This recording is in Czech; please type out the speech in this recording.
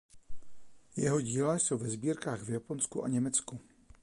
Jeho díla jsou ve sbírkách v Japonsku a Německu.